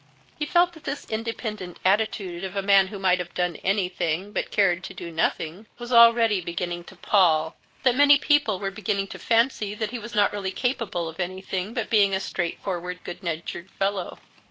He felt that this independent attitude of a man who might have done anything, but cared to do nothing, was already beginning to pall, that many people were beginning to fancy that he was not really capable of anything but being a straightforward, good natured fellow.